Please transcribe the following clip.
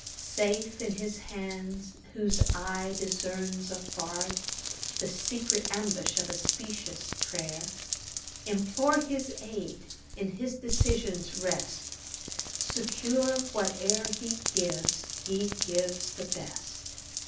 Safe in His hand, whose eye discerns afar The secret ambush of a specious pray'r; Implore His aid, in His decisions rest, Secure whate'er He gives He gives the best.